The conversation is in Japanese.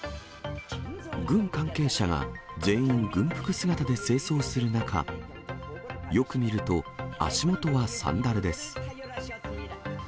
軍関係者が全員、軍服姿で正装する中、よく見ると、足元はサンダルです。